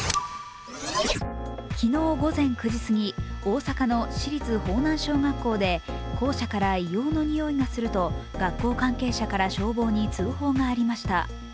昨日午前９時すぎ、大阪の市立豊南小学校で校舎から硫黄のにおいがすると、学校関係者から消防に通報がありました。